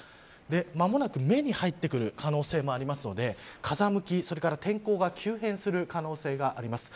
間もなく目に入ってくる可能性もあるので風向き、それから天候が急変する可能性があります。